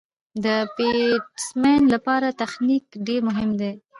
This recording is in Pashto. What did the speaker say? د بېټسمېن له پاره تخنیک ډېر مهم دئ.